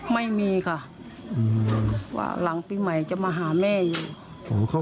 ไม่มีค่ะว่าหลังปีใหม่จะมาหาแม่อีก